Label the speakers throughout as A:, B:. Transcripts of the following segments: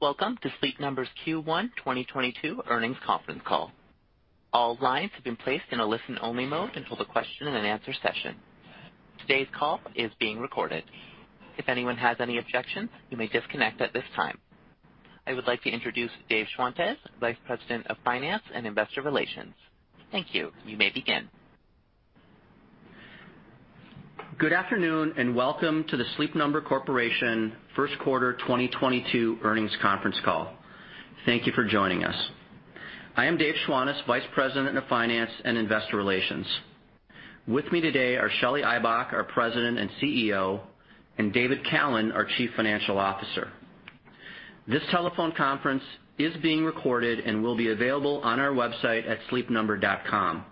A: Welcome to Sleep Number's Q1 2022 earnings conference call. All lines have been placed in a listen-only mode until the question and answer session. Today's call is being recorded. If anyone has any objections, you may disconnect at this time. I would like to introduce Dave Schwantes, Vice President of Finance and Investor Relations. Thank you. You may begin.
B: Good afternoon, and welcome to the Sleep Number Corporation first quarter 2022 earnings conference call. Thank you for joining us. I am Dave Schwantes, Vice President of Finance and Investor Relations. With me today are Shelly Ibach, our President and CEO, and David Callen, our Chief Financial Officer. This telephone conference is being recorded and will be available on our website at sleepnumber.com.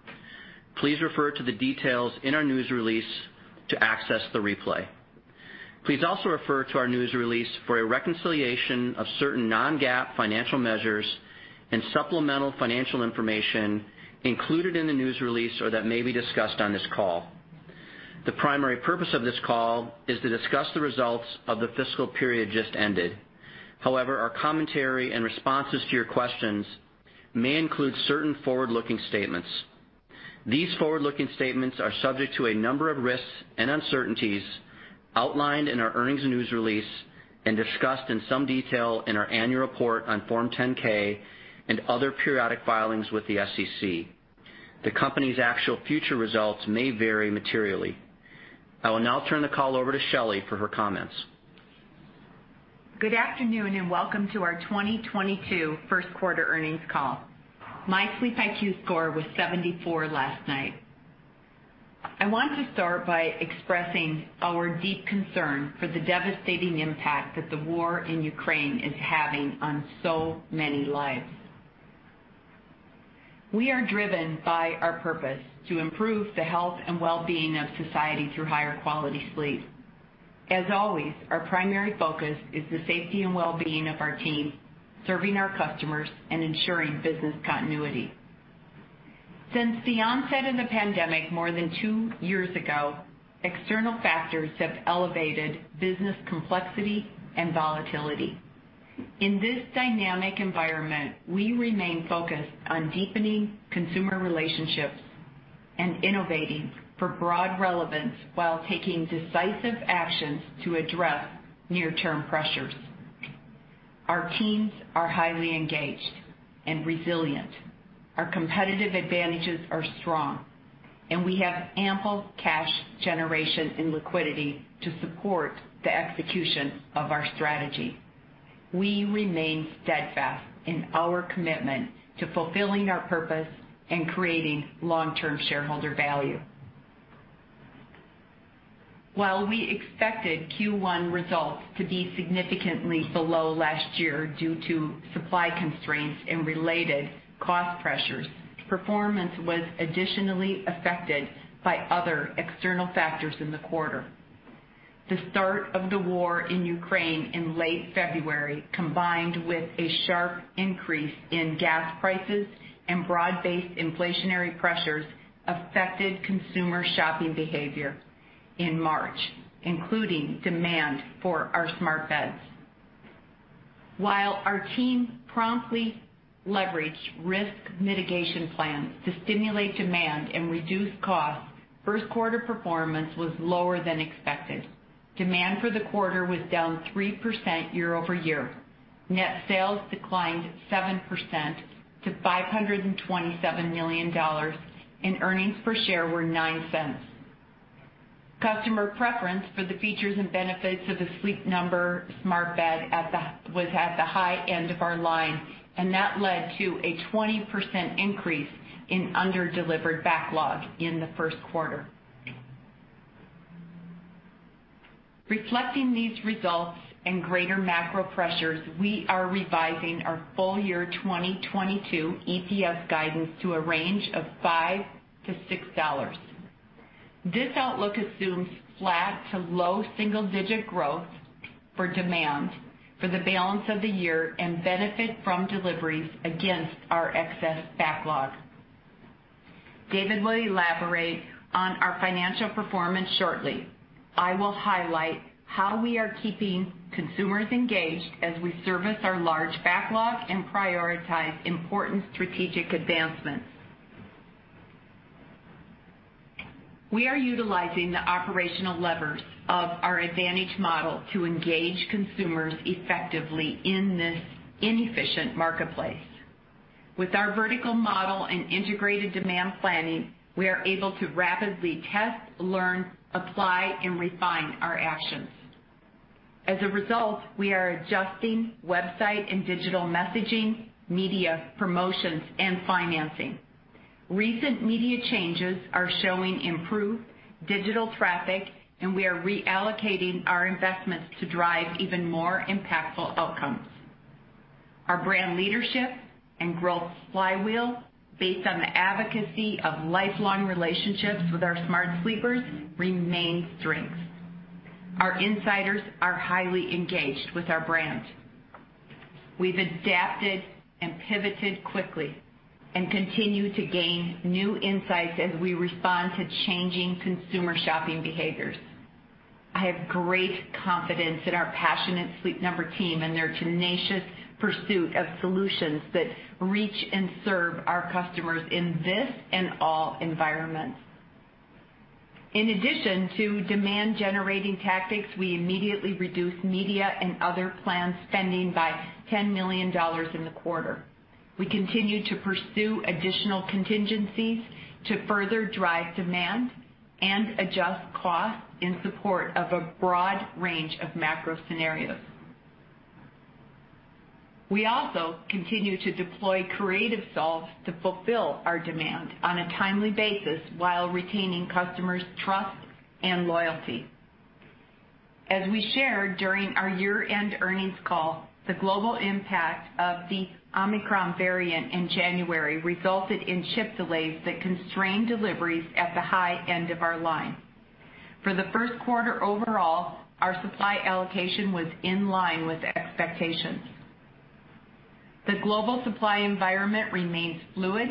B: Please refer to the details in our news release to access the replay. Please also refer to our news release for a reconciliation of certain non-GAAP financial measures and supplemental financial information included in the news release or that may be discussed on this call. The primary purpose of this call is to discuss the results of the fiscal period just ended. However, our commentary and responses to your questions may include certain forward-looking statements. These forward-looking statements are subject to a number of risks and uncertainties outlined in our earnings news release and discussed in some detail in our annual report on Form 10-K and other periodic filings with the SEC. The company's actual future results may vary materially. I will now turn the call over to Shelly for her comments.
C: Good afternoon, and welcome to our 2022 first quarter earnings call. My SleepIQ score was 74 last night. I want to start by expressing our deep concern for the devastating impact that the war in Ukraine is having on so many lives. We are driven by our purpose to improve the health and well-being of society through higher quality sleep. As always, our primary focus is the safety and well-being of our team, serving our customers, and ensuring business continuity. Since the onset of the pandemic more than two years ago, external factors have elevated business complexity and volatility. In this dynamic environment, we remain focused on deepening consumer relationships and innovating for broad relevance while taking decisive actions to address near-term pressures. Our teams are highly engaged and resilient. Our competitive advantages are strong, and we have ample cash generation and liquidity to support the execution of our strategy. We remain steadfast in our commitment to fulfilling our purpose and creating long-term shareholder value. While we expected Q1 results to be significantly below last year due to supply constraints and related cost pressures, performance was additionally affected by other external factors in the quarter. The start of the war in Ukraine in late February, combined with a sharp increase in gas prices and broad-based inflationary pressures, affected consumer shopping behavior in March, including demand for our smart beds. While our team promptly leveraged risk mitigation plans to stimulate demand and reduce costs, first quarter performance was lower than expected. Demand for the quarter was down 3% year-over-year. Net sales declined 7% to $527 million and earnings per share were $0.09. Customer preference for the features and benefits of the Sleep Number smart bed was at the high end of our line, and that led to a 20% increase in under-delivered backlog in Q1. Reflecting these results and greater macro pressures, we are revising our full year 2022 EPS guidance to a range of $5-$6. This outlook assumes flat to low single-digit growth for demand for the balance of the year and benefit from deliveries against our excess backlog. David will elaborate on our financial performance shortly. I will highlight how we are keeping consumers engaged as we service our large backlog and prioritize important strategic advancements. We are utilizing the operational levers of our advantage model to engage consumers effectively in this inefficient marketplace. With our vertical model and integrated demand planning, we are able to rapidly test, learn, apply, and refine our actions. As a result, we are adjusting website and digital messaging, media promotions, and financing. Recent media changes are showing improved digital traffic, and we are reallocating our investments to drive even more impactful outcomes. Our brand leadership and growth flywheel based on the advocacy of lifelong relationships with our smart sleepers remain strengths. Our insiders are highly engaged with our brand. We've adapted and pivoted quickly and continue to gain new insights as we respond to changing consumer shopping behaviors. I have great confidence in our passionate Sleep Number team and their tenacious pursuit of solutions that reach and serve our customers in this and all environments. In addition to demand-generating tactics, we immediately reduced media and other planned spending by $10 million in the quarter. We continue to pursue additional contingencies to further drive demand and adjust costs in support of a broad range of macro scenarios. We also continue to deploy creative solves to fulfill our demand on a timely basis while retaining customers' trust and loyalty. As we shared during our year-end earnings call, the global impact of the Omicron variant in January resulted in chip delays that constrained deliveries at the high end of our line. For the first quarter overall, our supply allocation was in line with expectations. The global supply environment remains fluid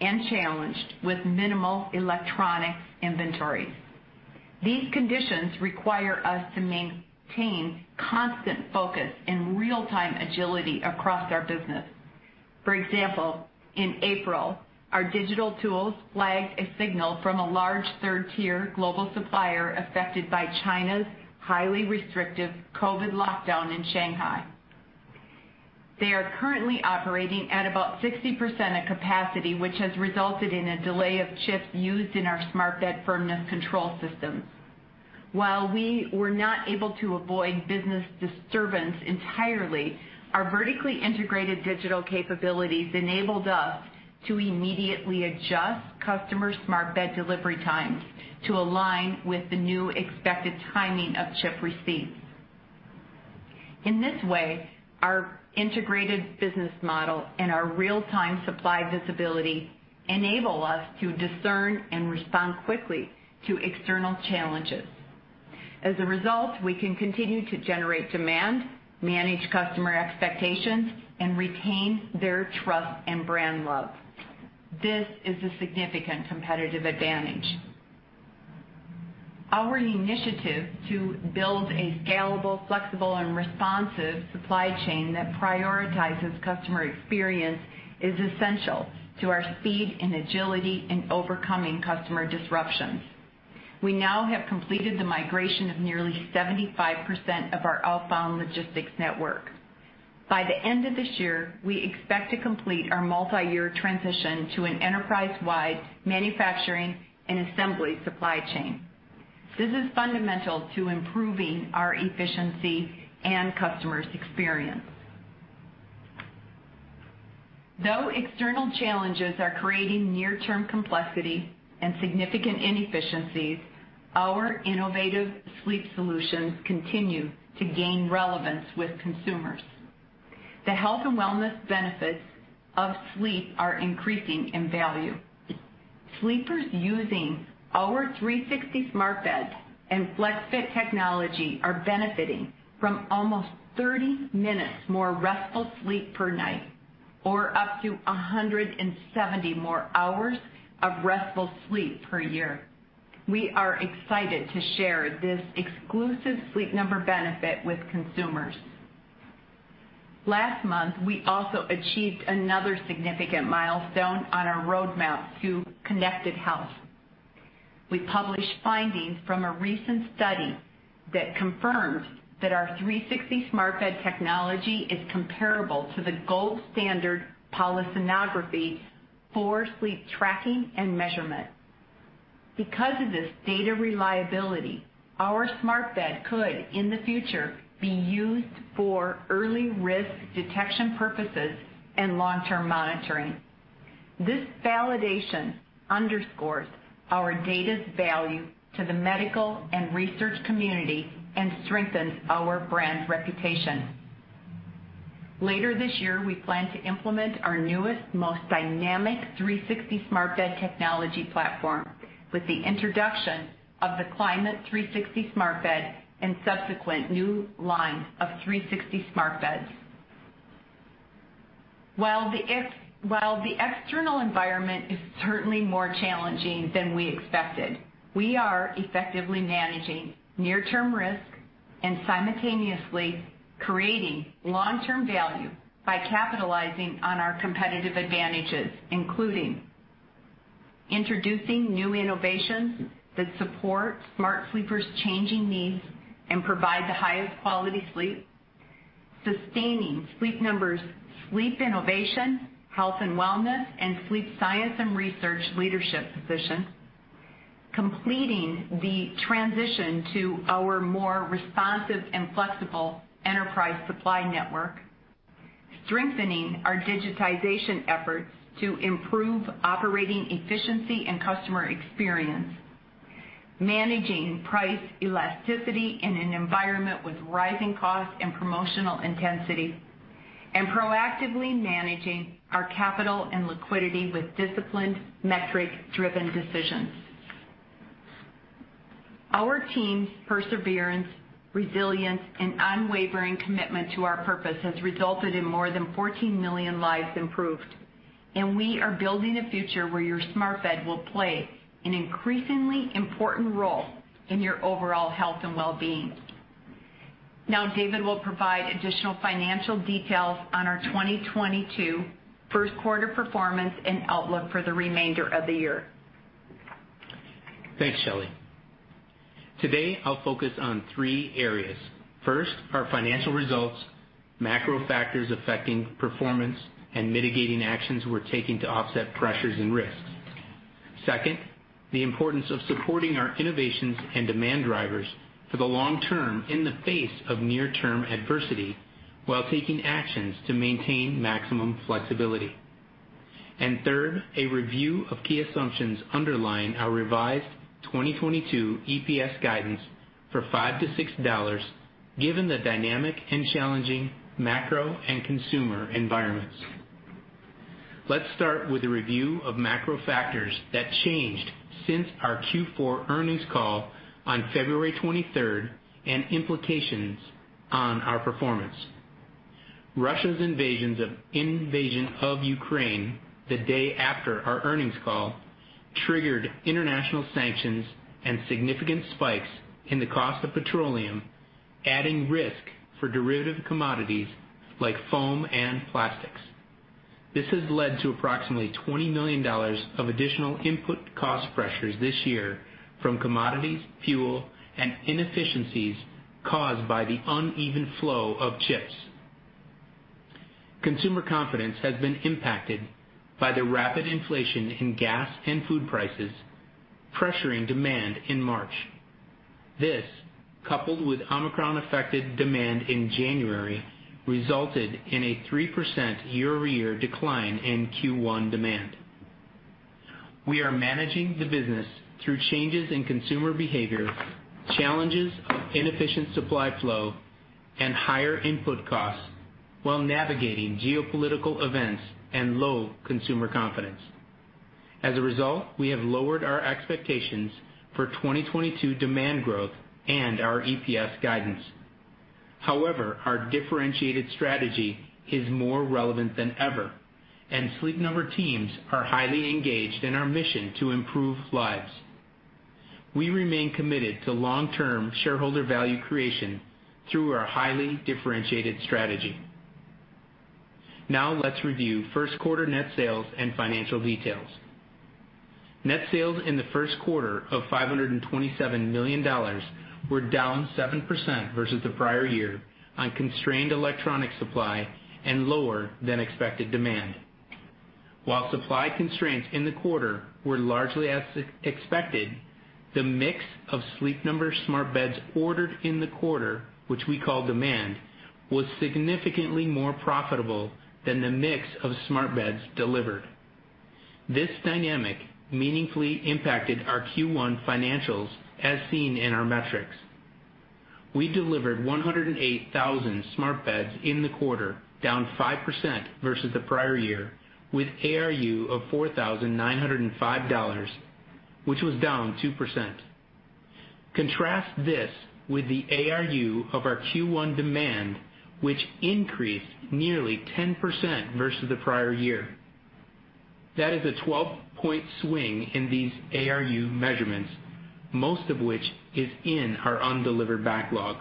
C: and challenged with minimal electronics inventories. These conditions require us to maintain constant focus and real-time agility across our business. For example, in April, our digital tools flagged a signal from a large third-tier global supplier affected by China's highly restrictive COVID lockdown in Shanghai. They are currently operating at about 60% of capacity, which has resulted in a delay of chips used in our smart bed firmness control systems. While we were not able to avoid business disturbance entirely, our vertically integrated digital capabilities enabled us to immediately adjust customer smart bed delivery times to align with the new expected timing of chip receipts. In this way, our integrated business model and our real-time supply visibility enable us to discern and respond quickly to external challenges. s a result, we can continue to generate demand, manage customer expectations, and retain their trust and brand love. This is a significant competitive advantage. Our initiative to build a scalable, flexible, and responsive supply chain that prioritizes customer experience is essential to our speed and agility in overcoming custom er disruptions. We now have completed the migration of nearly 75% of our outbound logistics network. By the end of this year, we expect to complete our multiyear transition to an enterprise-wide manufacturing and assembly supply chain. This is fundamental to improving our efficiency and customers' experience. Though external challenges are creating near-term complexity and significant inefficiencies, our innovative sleep solutions continue to gain relevance with consumers. The health and wellness benefits of sleep are increasing in value. Sleepers using our 360 smart beds and FlexFit technology are benefiting from almost 30 minutes more restful sleep per night, or up to 170 more hours of restful sleep per year. We are excited to share this exclusive Sleep Number benefit with consumers. Last month, we also achieved another significant milestone on our roadmap to connected health. We published findings from a recent study that confirmed that our 360 smart bed technology is comparable to the gold standard polysomnography for sleep tracking and measurement. Because of this data reliability, our smart bed could, in the future, be used for early risk detection purposes and long-term monitoring. This validation underscores our data's value to the medical and research community and strengthens our brand reputation. Later this year, we plan to implement our newest, most dynamic 360 smart bed technology platform with the introduction of the Climate360 smart bed and subsequent new lines of 360 smart beds. While the external environment is certainly more challenging than we expected, we are effectively managing near-term risk and simultaneously creating long-term value by capitalizing on our competitive advantages, including introducing new innovations that support smart sleepers' changing needs and provide the highest quality sleep, sustaining Sleep Number's sleep innovation, health and wellness, and sleep science and research leadership positions, completing the transition to our more responsive and flexible enterprise supply network, strengthening our digitization efforts to improve operating efficiency and customer experience, managing price elasticity in an environment with rising costs and promotional intensity, and proactively managing our capital and liquidity with disciplined, metric-driven decisions. Our team's perseverance, resilience, and unwavering commitment to our purpose has resulted in more than 14 million lives improved, and we are building a future where your smart bed will play an increasingly important role in your overall health and well-being. Now, David will provide additional financial details on our 2022 first quarter performance and outlook for the remainder of the year.
D: Thanks, Shelly. Today, I'll focus on three areas. First, our financial results, macro factors affecting performance, and mitigating actions we're taking to offset pressures and risks. Second, the importance of supporting our innovations and demand drivers for the long term in the face of near-term adversity while taking actions to maintain maximum flexibility. Third, a review of key assumptions underlying our revised 2022 EPS guidance for $5-$6, given the dynamic and challenging macro and consumer environments. Let's start with a review of macro factors that changed since our Q4 earnings call on February 23rd and implications on our performance. Russia's invasion of Ukraine, the day after our earnings call, triggered international sanctions and significant spikes in the cost of petroleum, adding risk for derivative commodities like foam and plastics. This has led to approximately $20 million of additional input cost pressures this year from commodities, fuel, and inefficiencies caused by the uneven flow of chips. Consumer confidence has been impacted by the rapid inflation in gas and food prices, pressuring demand in March. This, coupled with Omicron-affected demand in January, resulted in a 3% year-over-year decline in Q1 demand. We are managing the business through changes in consumer behavior, challenges of inefficient supply flow, and higher input costs while navigating geopolitical events and low consumer confidence. As a result, we have lowered our expectations for 2022 demand growth and our EPS guidance. However, our differentiated strategy is more relevant than ever, and Sleep Number teams are highly engaged in our mission to improve lives. We remain committed to long-term shareholder value creation through our highly differentiated strategy. Now let's review first quarter net sales and financial details. Net sales in the first quarter of $527 million were down 7% versus the prior year on constrained electronic supply and lower than expected demand. While supply constraints in the quarter were largely as expected, the mix of Sleep Number smart beds ordered in the quarter, which we call demand, was significantly more profitable than the mix of smart beds delivered. This dynamic meaningfully impacted our Q1 financials as seen in our metrics. We delivered 108,000 smart beds in the quarter, down 5% versus the prior year, with ARU of $4,905, which was down 2%. Contrast this with the ARU of our Q1 demand, which increased nearly 10% versus the prior year. That is a 12-point swing in these ARU measurements, most of which is in our undelivered backlog.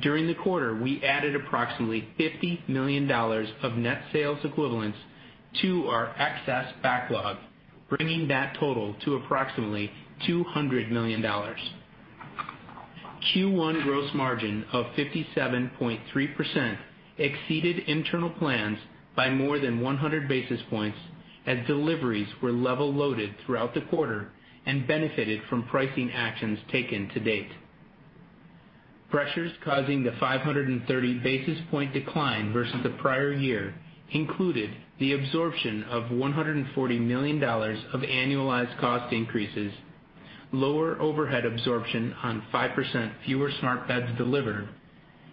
D: During the quarter, we added approximately $50 million of net sales equivalents to our excess backlog, bringing that total to approximately $200 million. Q1 gross margin of 57.3% exceeded internal plans by more than 100 basis points as deliveries were level-loaded throughout the quarter and benefited from pricing actions taken to date. Pressures causing the 530 basis point decline versus the prior year included the absorption of $140 million of annualized cost increases, lower overhead absorption on 5% fewer smart beds delivered,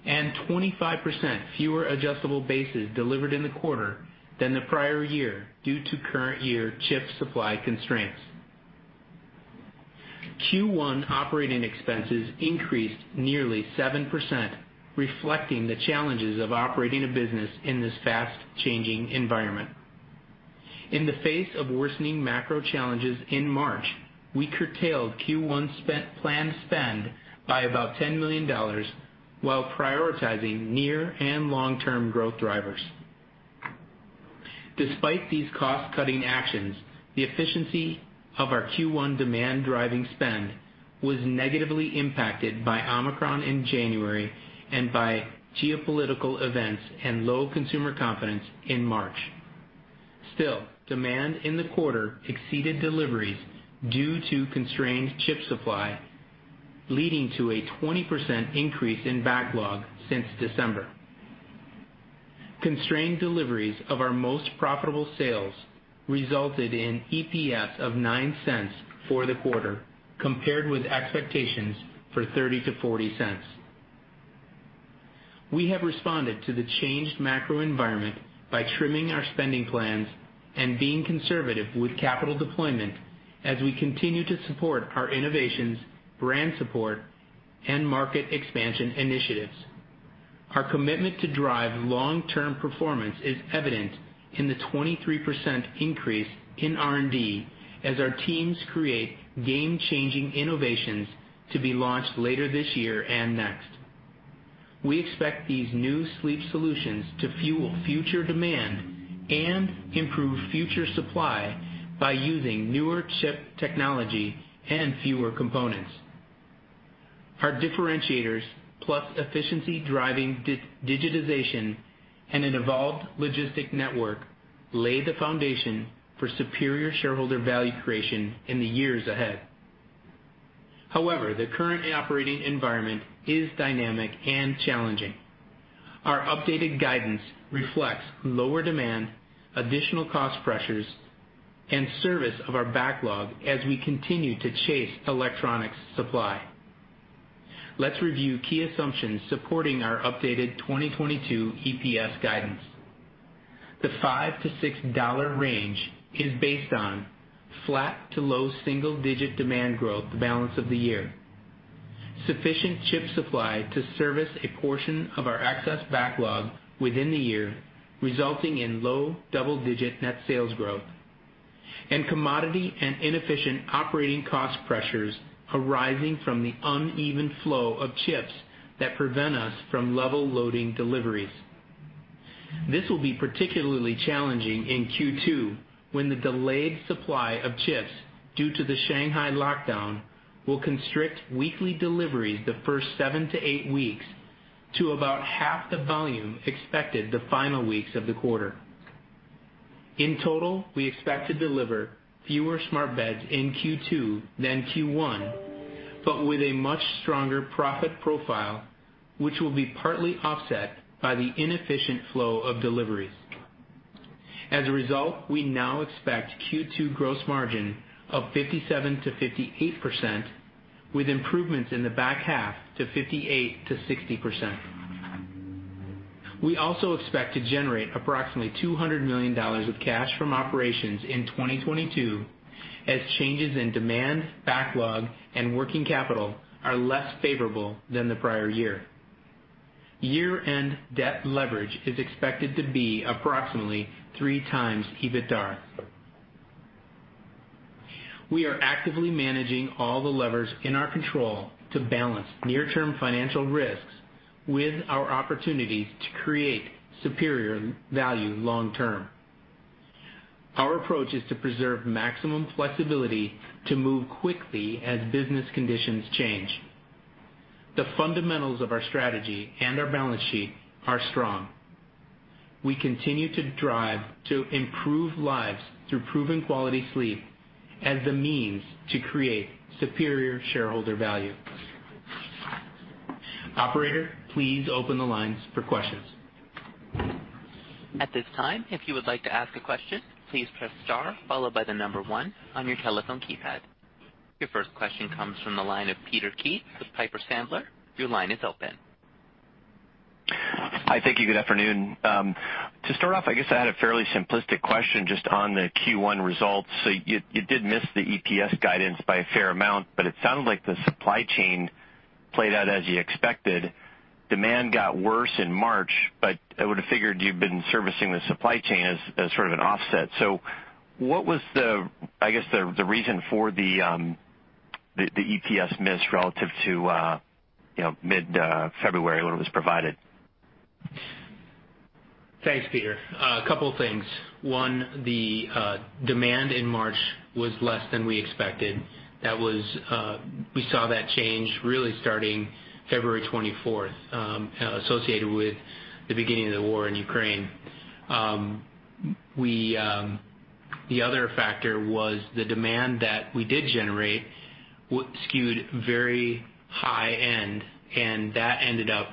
D: and 25% fewer adjustable bases delivered in the quarter than the prior year due to current year chip supply constraints. Q1 operating expenses increased nearly 7%, reflecting the challenges of operating a business in this fast-changing environment. In the face of worsening macro challenges in March, we curtailed Q1 planned spend by about $10 million while prioritizing near and long-term growth drivers. Despite these cost-cutting actions, the efficiency of our Q1 demand-driving spend was negatively impacted by Omicron in January and by geopolitical events and low consumer confidence in March. Still, demand in the quarter exceeded deliveries due to constrained chip supply, leading to a 20% increase in backlog since December. Constrained deliveries of our most profitable sales resulted in EPS of $0.09 for the quarter, compared with expectations for $0.30-$0.40. We have responded to the changed macro environment by trimming our spending plans and being conservative with capital deployment as we continue to support our innovations, brand support, and market expansion initiatives. Our commitment to drive long-term performance is evident in the 23% increase in R&D as our teams create game-changing innovations to be launched later this year and next. We expect these new sleep solutions to fuel future demand and improve future supply by using newer chip technology and fewer components. Our differentiators plus efficiency-driving digitization and an evolved logistics network lay the foundation for superior shareholder value creation in the years ahead. However, the current operating environment is dynamic and challenging. Our updated guidance reflects lower demand, additional cost pressures, and servicing of our backlog as we continue to chase electronics supply. Let's review key assumptions supporting our updated 2022 EPS guidance. The $5-$6 range is based on flat to low single-digit demand growth the balance of the year, sufficient chip supply to service a portion of our excess backlog within the year, resulting in low double-digit net sales growth, and commodity and inefficient operating cost pressures arising from the uneven flow of chips that prevent us from level loading deliveries. This will be particularly challenging in Q2, when the delayed supply of chips, due to the Shanghai lockdown, will constrict weekly deliveries the first 7-8 weeks to about half the volume expected the final weeks of the quarter. In total, we expect to deliver fewer smart beds in Q2 than Q1, but with a much stronger profit profile, which will be partly offset by the inefficient flow of deliveries. As a result, we now expect Q2 gross margin of 57%-58% with improvements in the back half to 58%-60%. We also expect to generate approximately $200 million of cash from operations in 2022 as changes in demand, backlog, and working capital are less favorable than the prior year. Year-end debt leverage is expected to be approximately 3x EBITDA. We are actively managing all the levers in our control to balance near-term financial risks with our opportunities to create superior value long term. Our approach is to preserve maximum flexibility to move quickly as business conditions change. The fundamentals of our strategy and our balance sheet are strong. We continue to drive to improve lives through proven quality sleep as the means to create superior shareholder value. Operator, please open the lines for questions.
A: At this time, if you would like to ask a question, please press star followed by the number one on your telephone keypad. Your first question comes from the line of Peter Keith with Piper Sandler. Your line is open.
E: Hi. Thank you. Good afternoon. To start off, I guess I had a fairly simplistic question just on the Q1 results. You did miss the EPS guidance by a fair amount, but it sounded like the supply chain played out as you expected. Demand got worse in March, but I would've figured you've been servicing the supply chain as sort of an offset. What was, I guess, the reason for the EPS miss relative to you know mid February when it was provided?
D: Thanks, Peter. A couple things. One, the demand in March was less than we expected. That was. We saw that change really starting February 24th, associated with the beginning of the war in Ukraine. The other factor was the demand that we did generate was skewed very high end, and that ended up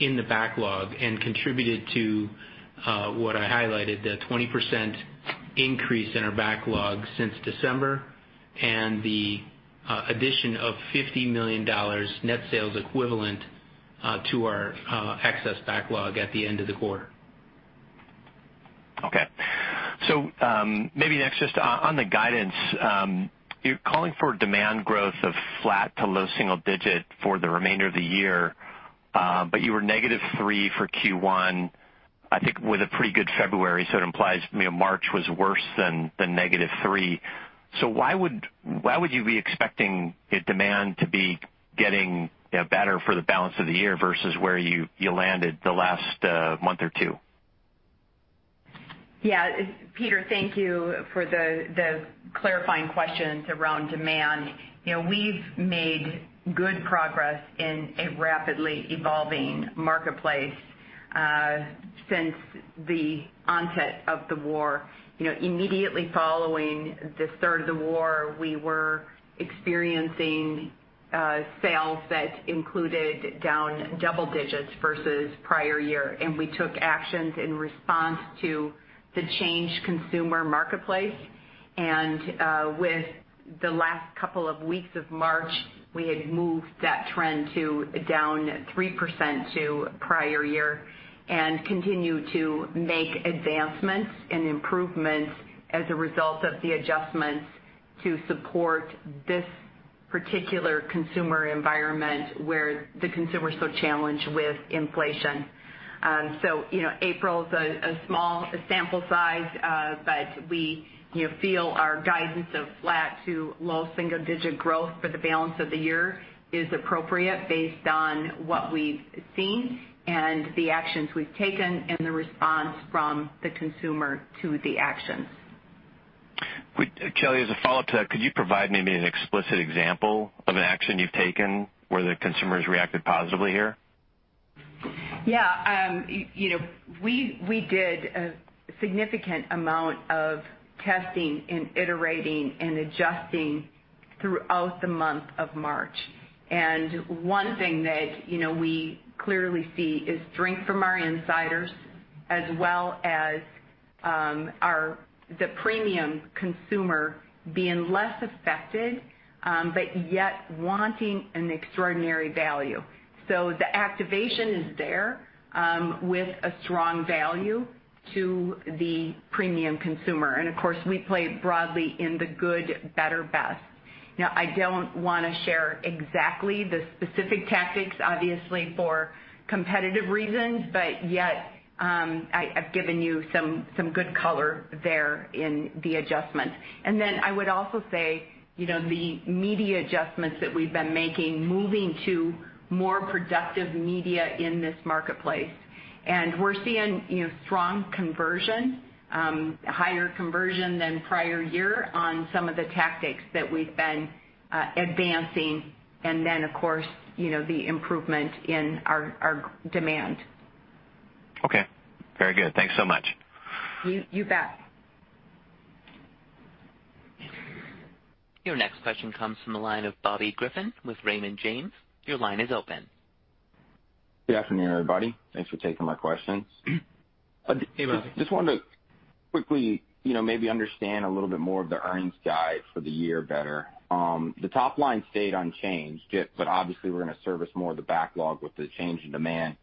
D: in the backlog and contributed to what I highlighted, the 20% increase in our backlog since December and the addition of $50 million net sales equivalent to our excess backlog at the end of the quarter.
E: Okay. Maybe next just on the guidance, you're calling for demand growth of flat to low single-digit % for the remainder of the year, but you were -3% for Q1, I think with a pretty good February, so it implies, you know, March was worse than -3%. Why would you be expecting a demand to be getting, you know, better for the balance of the year versus where you landed the last month or two?
C: Yeah. Peter, thank you for the clarifying questions around demand. You know, we've made good progress in a rapidly evolving marketplace since the onset of the war. You know, immediately following the start of the war, we were experiencing sales that included down double digits versus prior year, and we took actions in response to the changed consumer marketplace. With the last couple of weeks of March- We had moved that trend to down 3% to prior year and continue to make advancements and improvements as a result of the adjustments to support this particular consumer environment where the consumer is so challenged with inflation. You know, April is a small sample size, but we, you know, feel our guidance of flat to low single-digit growth for the balance of the year is appropriate based on what we've seen and the actions we've taken and the response from the consumer to the actions.
E: Shelly, as a follow-up to that, could you provide maybe an explicit example of an action you've taken where the consumers reacted positively here?
C: Yeah. You know, we did a significant amount of testing and iterating and adjusting throughout the month of March. One thing that, you know, we clearly see is strength from our insiders as well as the premium consumer being less affected, but yet wanting an extraordinary value. The activation is there with a strong value to the premium consumer. Of course, we play broadly in the good, better, best. Now, I don't want to share exactly the specific tactics, obviously for competitive reasons, but yet I've given you some good color there in the adjustment. I would also say, you know, the media adjustments that we've been making, moving to more productive media in this marketplace. We're seeing, you know, strong conversion, higher conversion than prior year on some of the tactics that we've been advancing. Then, of course, you know, the improvement in our demand.
E: Okay. Very good. Thanks so much.
C: You bet.
A: Your next question comes from the line of Bobby Griffin with Raymond James. Your line is open.
F: Good afternoon, everybody. Thanks for taking my questions.
C: Hey, Bobby.
F: Just wanted to quickly, you know, maybe understand a little bit more of the earnings guide for the year better. The top line stayed unchanged, but obviously, we're going to service more of the backlog with the change in demand.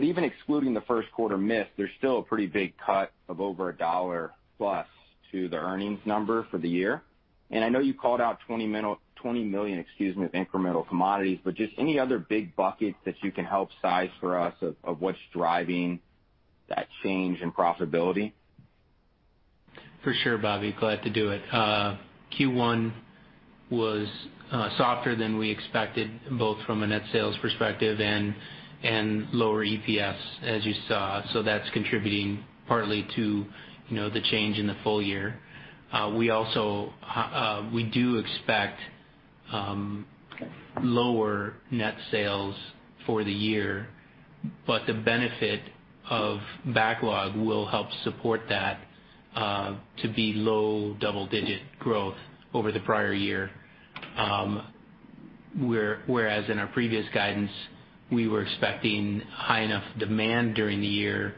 F: Even excluding the first quarter miss, there's still a pretty big cut of over $1+ to the earnings number for the year. I know you called out $20 million, excuse me, of incremental commodities, but just any other big buckets that you can help size for us of what's driving that change in profitability?
D: For sure, Bobby. Glad to do it. Q1 was softer than we expected, both from a net sales perspective and lower EPS, as you saw. That's contributing partly to, you know, the change in the full year. We also do expect lower net sales for the year, but the benefit of backlog will help support that to be low double-digit growth over the prior year. Whereas in our previous guidance, we were expecting high enough demand during the year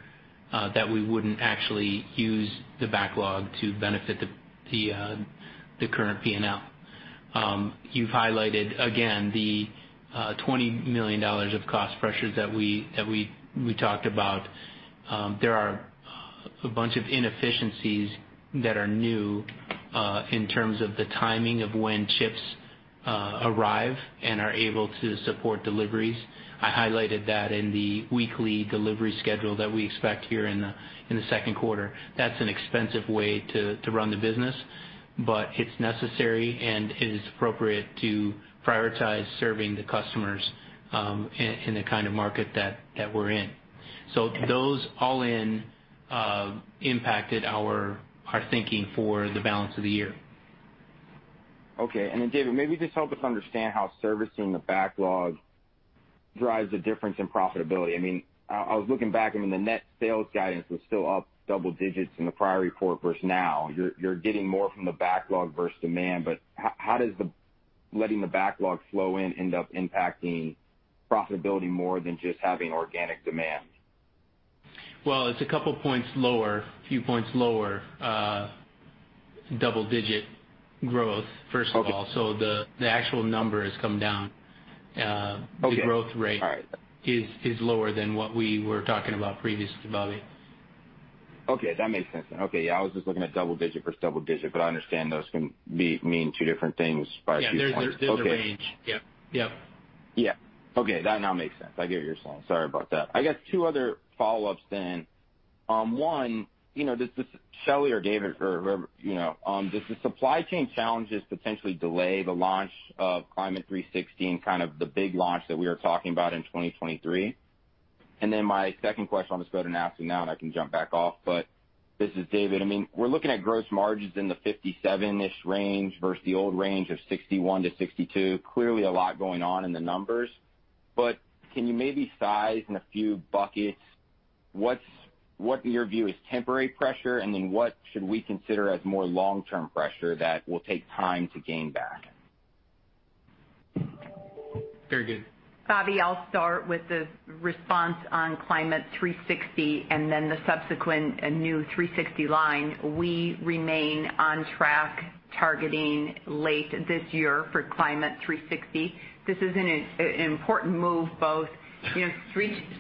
D: that we wouldn't actually use the backlog to benefit the current P&L. You've highlighted, again, the $20 million of cost pressures that we talked about. There are a bunch of inefficiencies that are new in terms of the timing of when chips arrive and are able to support deliveries. I highlighted that in the weekly delivery schedule that we expect here in the second quarter. That's an expensive way to run the business, but it's necessary and is appropriate to prioritize serving the customers in the kind of market that we're in. Those all in impacted our thinking for the balance of the year.
F: Okay. David, maybe just help us understand how servicing the backlog drives a difference in profitability. I mean, I was looking back, I mean, the net sales guidance was still up double digits in the prior report versus now. You're getting more from the backlog versus demand, but how does letting the backlog flow in end up impacting profitability more than just having organic demand?
D: Well, it's a couple points lower, a few points lower, double-digit growth, first of all.
F: Okay.
D: The actual number has come down.
F: Okay.
D: The growth rate.
F: All right.
D: is lower than what we were talking about previously, Bobby.
F: Okay. That makes sense then. Okay. Yeah, I was just looking at double digit versus double digit, but I understand those can mean two different things by a few points.
D: Yeah. There's a range.
F: Okay.
D: Yeah. Yeah.
F: Yeah. Okay. That now makes sense. I get what you're saying. Sorry about that. I got two other follow-ups then. One, you know, Shelly or David or whoever, you know, does the supply chain challenges potentially delay the launch of Climate360, kind of the big launch that we are talking about in 2023? Then my second question, I'll just go ahead and ask you now, and I can jump back off. This is David. I mean, we're looking at gross margins in the 57-ish% range versus the old range of 61%-62%. Clearly a lot going on in the numbers. Can you maybe size in a few buckets what in your view is temporary pressure, and then what should we consider as more long-term pressure that will take time to gain back?
D: Very good.
C: Bobby, I'll start with the response on Climate360 and then the subsequent new 360 line. We remain on track targeting late this year for Climate360. This is an important move both, you know,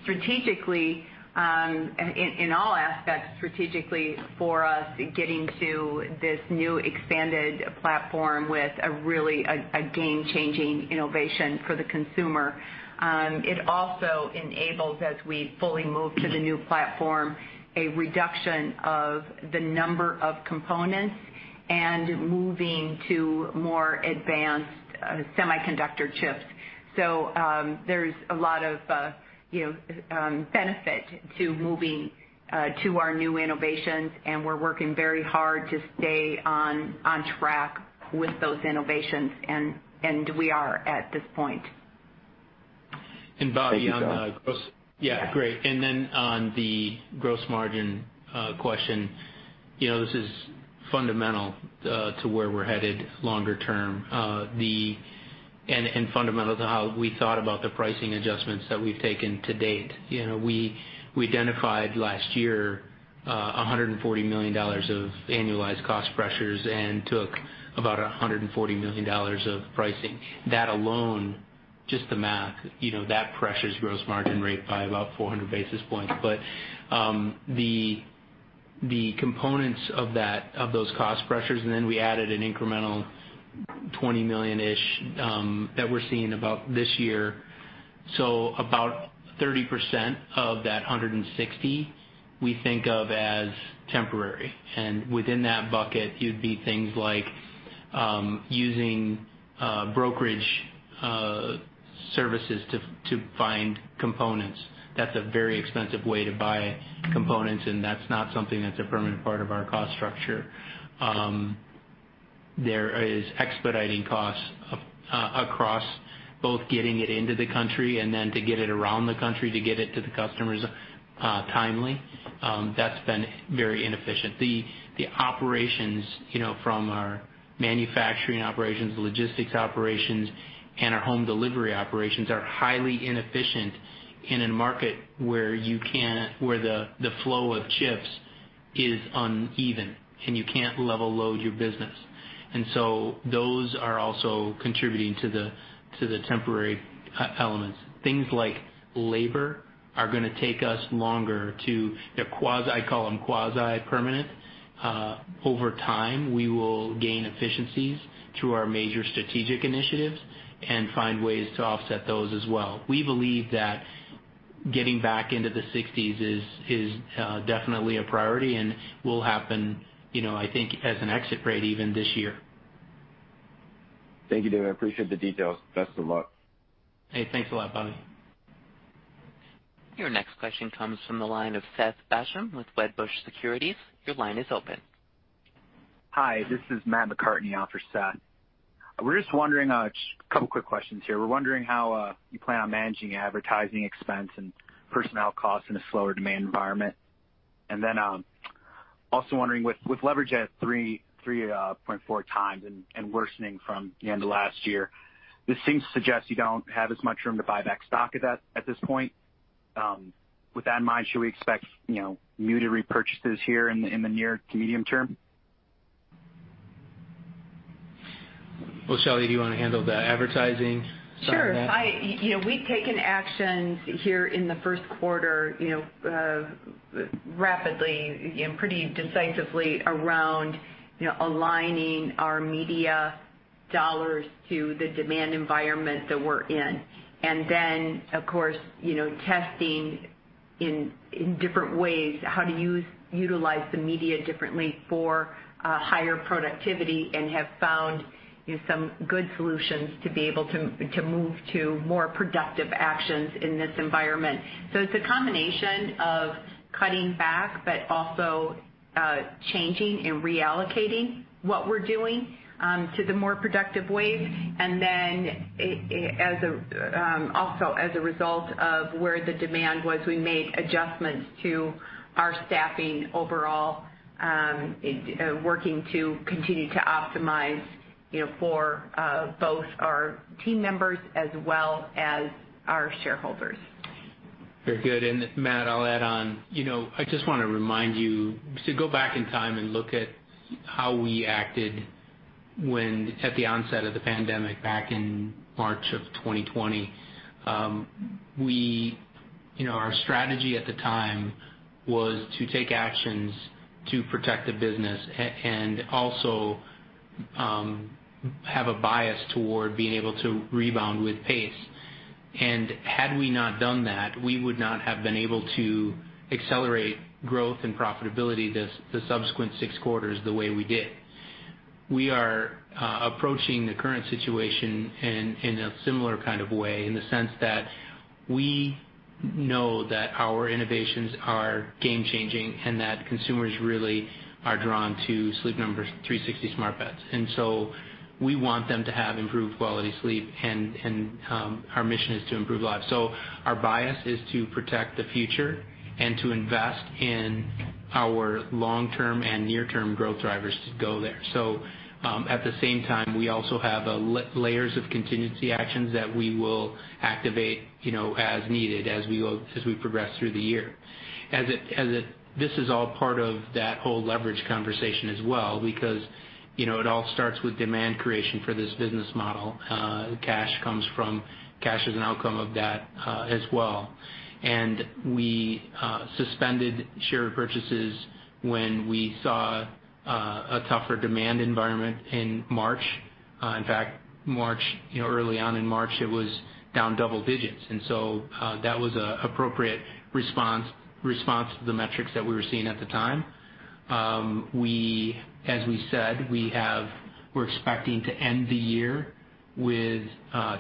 C: strategically in all aspects strategically for us getting to this new expanded platform with a really a game-changing innovation for the consumer. It also enables, as we fully move to the new platform, a reduction of the number of components and moving to more advanced semiconductor chips. So, there's a lot of you know, benefit to moving to our new innovations, and we're working very hard to stay on track with those innovations, and we are at this point.
D: Bobby, on the gross-
F: Thank you, Shelly.
D: Yeah, great. On the gross margin question, you know, this is fundamental to where we're headed longer term. It is fundamental to how we thought about the pricing adjustments that we've taken to date. You know, we identified last year $140 million of annualized cost pressures and took about $140 million of pricing. That alone, just the math, you know, that pressures gross margin rate by about 400 basis points. The components of that, of those cost pressures, and then we added an incremental 20 million-ish that we're seeing about this year. So about 30% of that 160 we think of as temporary. Within that bucket it'd be things like using brokerage services to find components. That's a very expensive way to buy components, and that's not something that's a permanent part of our cost structure. There is expediting costs across both getting it into the country and then to get it around the country to get it to the customers timely. That's been very inefficient. The operations, you know, from our manufacturing operations, logistics operations, and our home delivery operations are highly inefficient in a market where the flow of chips is uneven, and you can't level load your business. Those are also contributing to the temporary elements. Things like labor are gonna take us longer. They're quasi, I call them quasi-permanent. Over time, we will gain efficiencies through our major strategic initiatives and find ways to offset those as well. We believe that getting back into the sixties is definitely a priority and will happen, you know, I think as an exit rate even this year.
F: Thank you, David. I appreciate the details. Best of luck.
D: Hey, thanks a lot, Bobby.
A: Your next question comes from the line of Seth Basham with Wedbush Securities. Your line is open.
G: Hi, this is Matthew McCartney on for Seth. We're just wondering just a couple quick questions here. We're wondering how you plan on managing advertising expense and personnel costs in a slower demand environment. Also wondering with leverage at 3.4 times and worsening from the end of last year, this seems to suggest you don't have as much room to buy back stock at this point. With that in mind, should we expect you know muted repurchases here in the near to medium term?
D: Well, Shelly, do you wanna handle the advertising side of that?
C: Sure. You know, we've taken actions here in the first quarter, you know, rapidly and pretty decisively around, you know, aligning our media dollars to the demand environment that we're in. Of course, you know, testing in different ways how to utilize the media differently for higher productivity and have found, you know, some good solutions to be able to move to more productive actions in this environment. It's a combination of cutting back, but also changing and reallocating what we're doing to the more productive ways. As a result of where the demand was, we made adjustments to our staffing overall, working to continue to optimize, you know, for both our team members as well as our shareholders.
D: Very good. Matt, I'll add on. You know, I just wanna remind you to go back in time and look at how we acted when at the onset of the pandemic back in March 2020. You know, our strategy at the time was to take actions to protect the business and also have a bias toward being able to rebound with pace. Had we not done that, we would not have been able to accelerate growth and profitability the subsequent six quarters the way we did. We are approaching the current situation in a similar kind of way in the sense that we know that our innovations are game changing and that consumers really are drawn to Sleep Number's 360 smart beds. We want them to have improved quality sleep and our mission is to improve lives. Our bias is to protect the future and to invest in our long-term and near-term growth drivers to go there. At the same time, we also have layers of contingency actions that we will activate, you know, as needed as we progress through the year. This is all part of that whole leverage conversation as well because, you know, it all starts with demand creation for this business model. Cash is an outcome of that, as well. We suspended share purchases when we saw a tougher demand environment in March. In fact, March, you know, early on in March, it was down double digits, and so that was an appropriate response to the metrics that we were seeing at the time. As we said, we're expecting to end the year with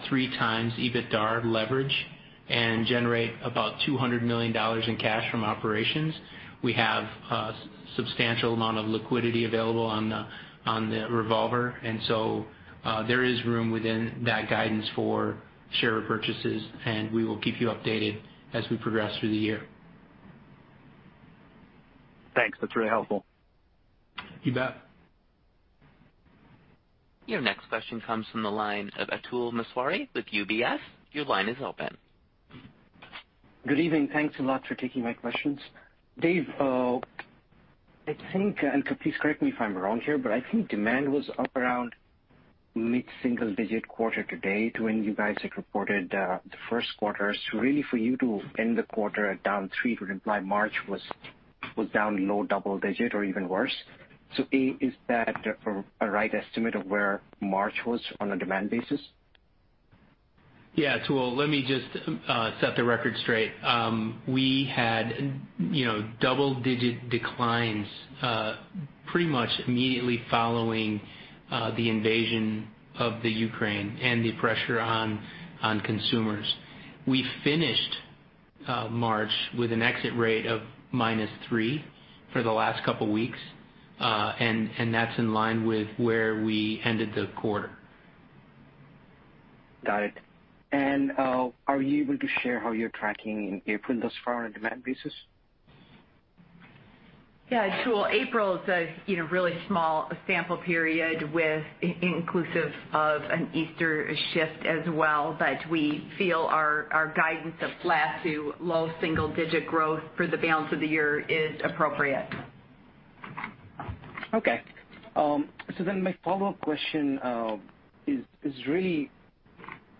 D: three times EBITDAR leverage and generate about $200 million in cash from operations. We have a substantial amount of liquidity available on the revolver. There is room within that guidance for share purchases, and we will keep you updated as we progress through the year.
A: Thanks. That's really helpful.
D: You bet.
A: Your next question comes from the line of Atul Maheswari with UBS. Your line is open.
H: Good evening. Thanks a lot for taking my questions. Dave, I think, and please correct me if I'm wrong here, but I think demand was up around mid-single digit quarter to date when you guys had reported the first quarter. Really for you to end the quarter at down 3% would imply March was down low double digit or even worse. A, is that a right estimate of where March was on a demand basis?
D: Yeah, Atul. Let me just set the record straight. We had, you know, double-digit declines pretty much immediately following the invasion of the Ukraine and the pressure on consumers. We finished March with an exit rate of -3% for the last couple weeks, and that's in line with where we ended the quarter.
H: Got it. Are you able to share how you're tracking in April thus far on a demand basis?
C: Yeah, Atul. April is a, you know, really small sample period inclusive of an Easter shift as well, but we feel our guidance of flat to low single-digit growth for the balance of the year is appropriate.
H: Okay. My follow-up question is really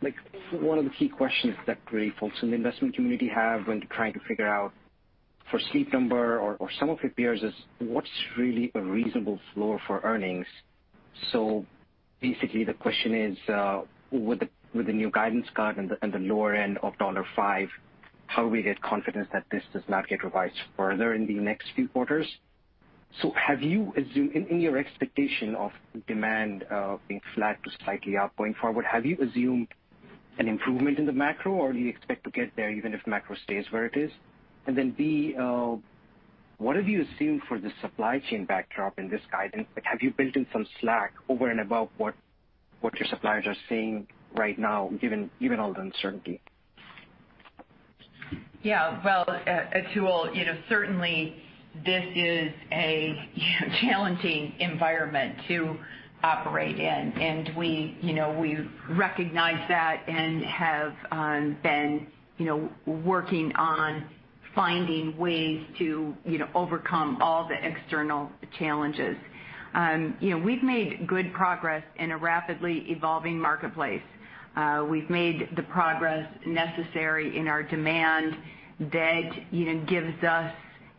H: like one of the key questions that great folks in the investment community have when trying to figure out for Sleep Number or some of your peers is what's really a reasonable floor for earnings. Basically, the question is, with the new guidance card and the lower end of $5, how do we get confidence that this does not get revised further in the next few quarters? Have you, in your expectation of demand being flat to slightly up going forward, assumed an improvement in the macro or do you expect to get there even if macro stays where it is? B, what have you assumed for the supply chain backdrop in this guidance? Like, have you built in some slack over and above what your suppliers are seeing right now, given all the uncertainty?
C: Yeah. Well, Atul, you know, certainly this is a challenging environment to operate in, and we, you know, we recognize that and have been, you know, working on finding ways to, you know, overcome all the external challenges. You know, we've made good progress in a rapidly evolving marketplace. We've made the progress necessary in our demand that, you know, gives us,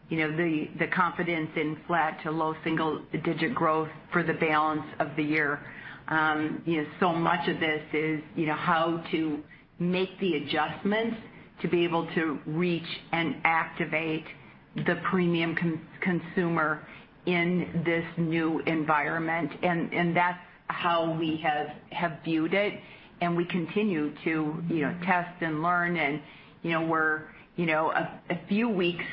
C: you know, the confidence in flat to low single-digit growth for the balance of the year. You know, so much of this is, you know, how to make the adjustments to be able to reach and activate the premium consumer in this new environment, and that's how we have viewed it, and we continue to, you know, test and learn and, you know, we're a few weeks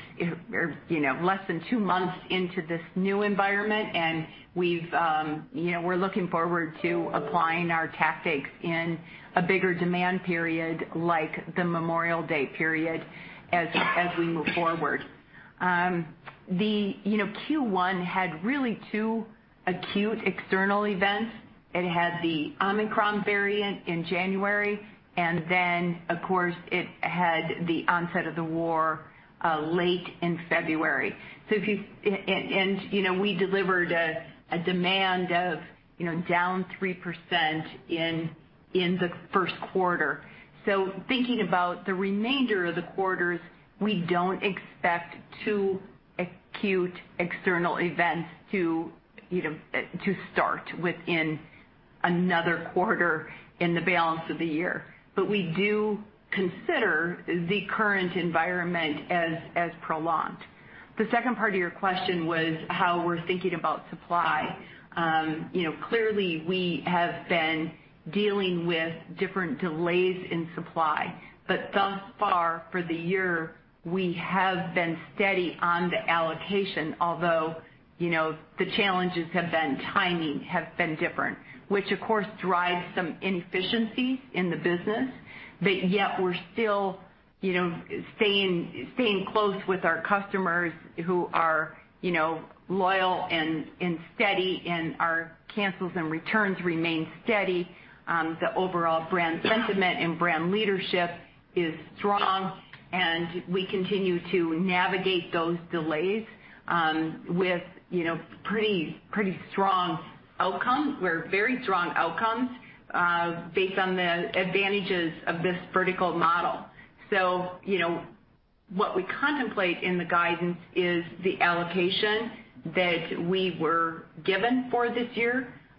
C: or, you know, less than two months into this new environment and we've, you know, we're looking forward to applying our tactics in a bigger demand period like the Memorial Day period as we move forward. You know, Q1 had really two acute external events. It had the Omicron variant in January, and then of course it had the onset of the war late in February. If you... You know, we delivered a demand of, you know, down 3% in the first quarter. Thinking about the remainder of the quarters, we don't expect two acute external events to start within another quarter in the balance of the year. We do consider the current environment as prolonged. The second part of your question was how we're thinking about supply. You know, clearly, we have been dealing with different delays in supply. Thus far for the year, we have been steady on the allocation, although, you know, the challenges have been timing have been different, which of course drives some inefficiencies in the business. Yet we're still, you know, staying close with our customers who are, you know, loyal and steady and our cancels and returns remain steady on the overall brand sentiment and brand leadership is strong, and we continue to navigate those delays with, you know, pretty strong outcomes based on the advantages of this vertical model. You know, what we contemplate in the guidance is the allocation that we were given for this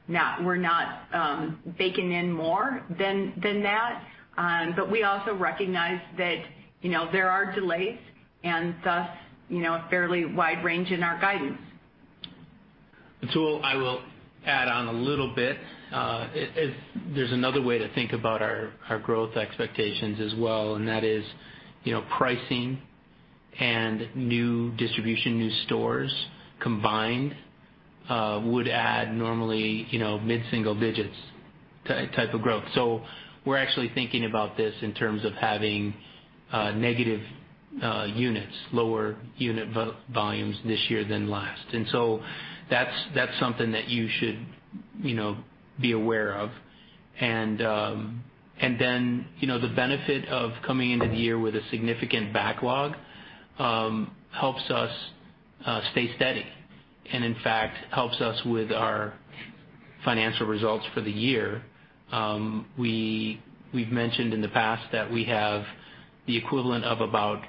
C: year. We're not baking in more than that. We also recognize that, you know, there are delays and thus, you know, a fairly wide range in our guidance.
D: Atul, I will add on a little bit. There's another way to think about our growth expectations as well. That is, you know, pricing and new distribution, new stores combined would add normally, you know, mid-single digits type of growth. We're actually thinking about this in terms of having negative units, lower unit volumes this year than last. That's something that you should, you know, be aware of. You know, the benefit of coming into the year with a significant backlog helps us stay steady and in fact helps us with our financial results for the year. We've mentioned in the past that we have the equivalent of about...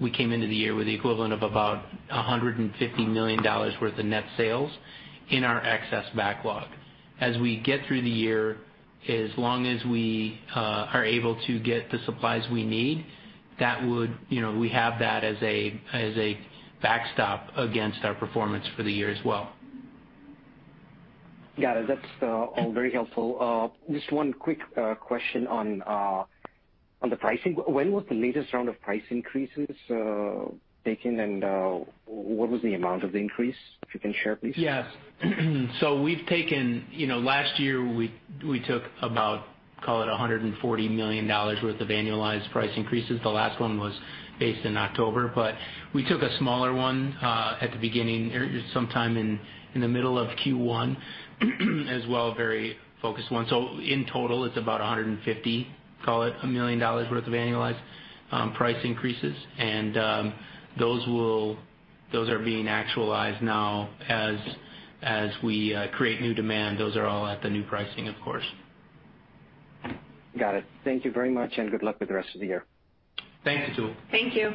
D: We came into the year with the equivalent of about $150 million worth of net sales in our excess backlog. As we get through the year, as long as we are able to get the supplies we need, that would, you know, we have that as a backstop against our performance for the year as well.
H: Got it. That's all very helpful. Just one quick question on the pricing. When was the latest round of price increases taken, and what was the amount of the increase, if you can share, please?
D: Yes. We've taken, you know, last year we took about, call it $140 million worth of annualized price increases. The last one was based in October, but we took a smaller one at the beginning or sometime in the middle of Q1 as well, a very focused one. In total, it's about 150, call it, a million dollars worth of annualized price increases. Those are being actualized now as we create new demand. Those are all at the new pricing, of course.
H: Got it. Thank you very much, and good luck with the rest of the year.
D: Thank you, Atul.
C: Thank you.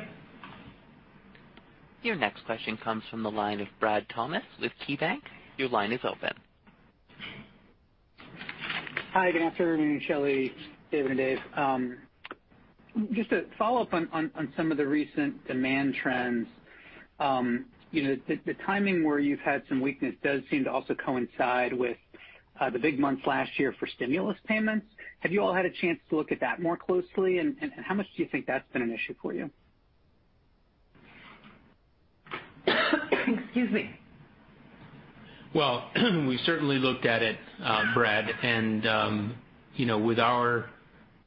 A: Your next question comes from the line of Bradley Thomas with KeyBanc. Your line is open.
I: Hi, good afternoon, Shelly, David, and Dave. Just to follow up on some of the recent demand trends. You know, the timing where you've had some weakness does seem to also coincide with the big months last year for stimulus payments. Have you all had a chance to look at that more closely? How much do you think that's been an issue for you?
C: Excuse me.
D: Well, we certainly looked at it, Brad, and, you know, with our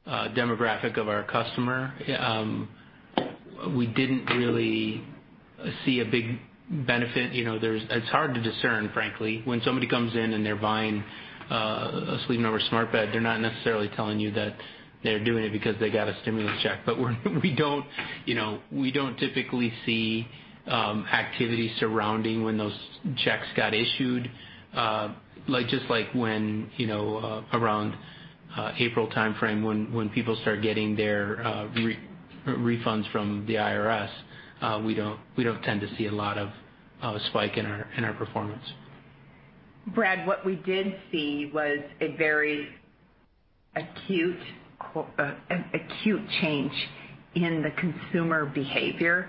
D: demographic of our customer, we didn't really see a big benefit. You know, it's hard to discern, frankly. When somebody comes in and they're buying a Sleep Number smart bed, they're not necessarily telling you that they're doing it because they got a stimulus check. We don't, you know, we don't typically see activity surrounding when those checks got issued. Like, just like when, you know, around April timeframe when people start getting their refunds from the IRS, we don't, we don't tend to see a lot of spike in our performance.
C: Brad, what we did see was a very acute change in the consumer behavior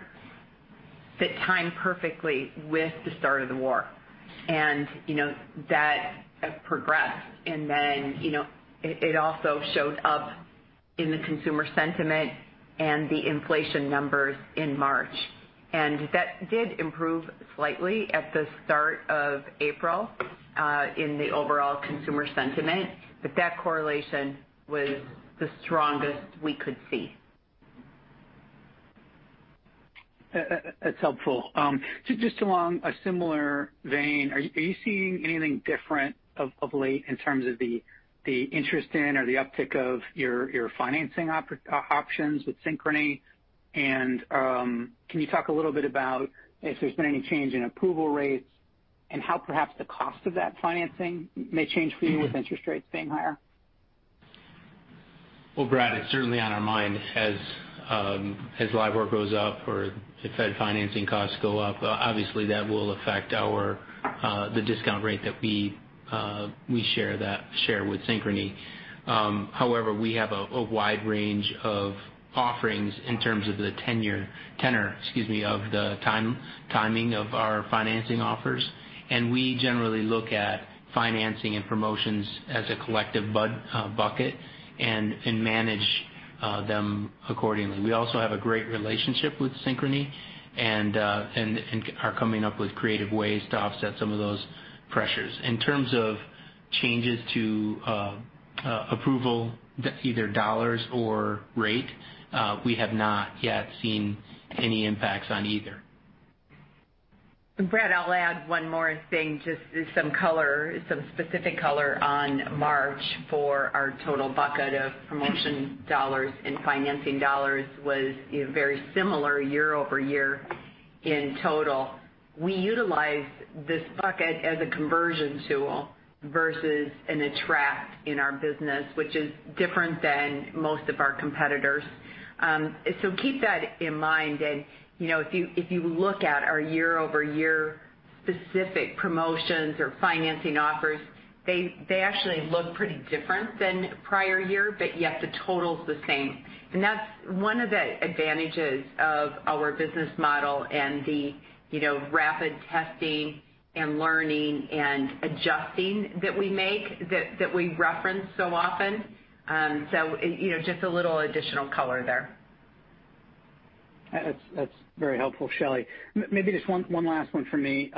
C: that timed perfectly with the start of the war. You know, that progressed and then, you know, it also showed up in the consumer sentiment and the inflation numbers in March. That did improve slightly at the start of April in the overall consumer sentiment, but that correlation was the strongest we could see.
I: That's helpful. So just along a similar vein, are you seeing anything different of late in terms of the interest in or the uptick of your financing options with Synchrony? Can you talk a little bit about if there's been any change in approval rates and how perhaps the cost of that financing may change for you with interest rates being higher?
D: Well, Brad, it's certainly on our mind as labor costs go up or if financing costs go up, obviously that will affect the discount rate that we share with Synchrony. However, we have a wide range of offerings in terms of the tenor, excuse me, of the timing of our financing offers. We generally look at financing and promotions as a collective bucket and manage them accordingly. We also have a great relationship with Synchrony and are coming up with creative ways to offset some of those pressures. In terms of changes to approval, either dollars or rate, we have not yet seen any impacts on either.
C: Brad, I'll add one more thing, just some color, some specific color on March for our total bucket of promotion dollars and financing dollars was very similar year-over-year in total. We utilize this bucket as a conversion tool versus an attract in our business, which is different than most of our competitors. Keep that in mind. You know, if you look at our year-over-year specific promotions or financing offers, they actually look pretty different than prior year, but yet the total's the same. That's one of the advantages of our business model and the, you know, rapid testing and learning and adjusting that we make, that we reference so often. You know, just a little additional color there.
I: That's very helpful, Shelley. Maybe just one last one for me.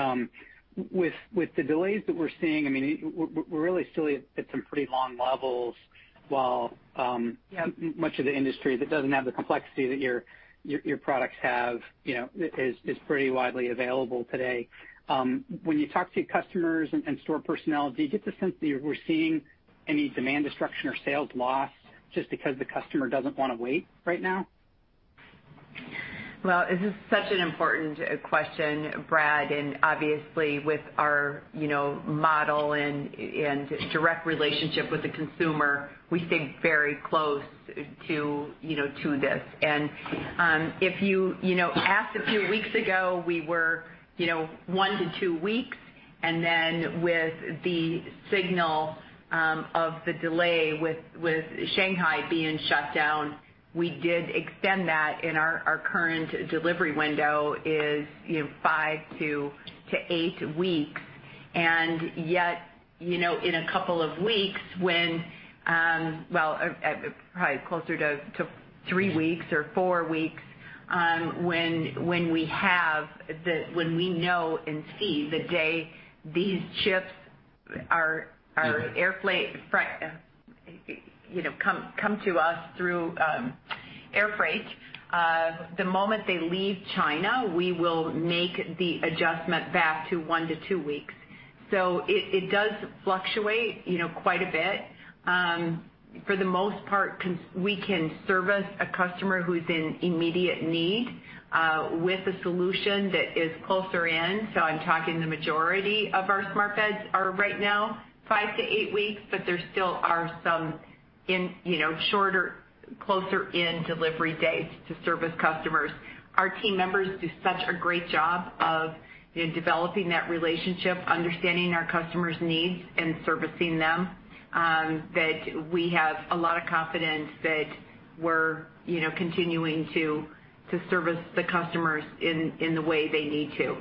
I: With the delays that we're seeing, I mean, we're really still at some pretty long levels while,
C: Yeah.
I: Much of the industry that doesn't have the complexity that your products have, you know, is pretty widely available today. When you talk to customers and store personnel, do you get the sense that we're seeing any demand destruction or sales loss just because the customer doesn't wanna wait right now?
C: Well, this is such an important question, Brad. Obviously, with our you know model and direct relationship with the consumer, we stay very close to you know to this. If you you know asked a few weeks ago, we were you know 1-2 weeks. With the signal of the delay with Shanghai being shut down, we did extend that, and our current delivery window is you know 5-8 weeks. Yet, you know, in a couple of weeks when... Well, probably closer to three or four weeks, when we know and see the day these chips, you know, come to us through air freight, the moment they leave China, we will make the adjustment back to 1-2 weeks. It does fluctuate, you know, quite a bit. For the most part, we can service a customer who's in immediate need with a solution that is closer in. I'm talking the majority of our smart beds are right now 5-8 weeks, but there still are some in, you know, shorter, closer in delivery dates to service customers. Our team members do such a great job of, you know, developing that relationship, understanding our customer's needs and servicing them that we have a lot of confidence that we're, you know, continuing to service the customers in the way they need to.